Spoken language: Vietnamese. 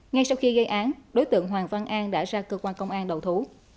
ngay sau khi gây án đối tượng hoàng văn an đã ra cơ quan công an đầu thú